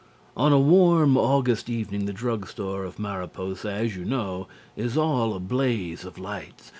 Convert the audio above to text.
On a warm August evening the drug store of Mariposa, as you know, is all a blaze of lights.